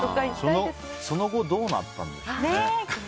その後どうなったんですかね。